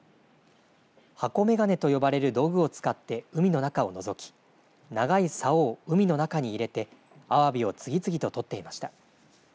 箱メガネと呼ばれる道具を使って海の中をのぞき、長いさおを海の中に入れてアワビを次々ととっていました。